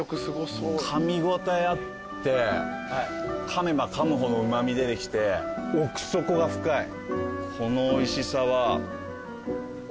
かみ応えあってかめばかむほどうま味出てきて奥底が深い。